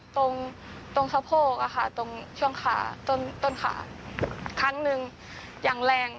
ตรงทรัพโภคตรงช่วงขาต้นขาครั้งหนึ่งอย่างแรง